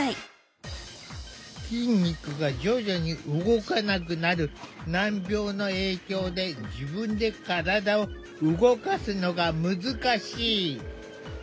筋肉が徐々に動かなくなる難病の影響で自分で体を動かすのが難しい。